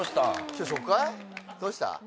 どうした？